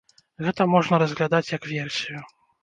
Гэта можна разглядаць, як версію.